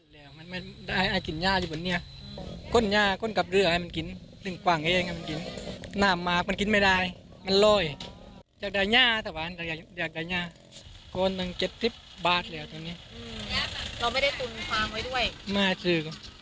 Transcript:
แล้วตรงนี้อืมเราไม่ได้ตุ๋นความไว้ด้วยมาจึง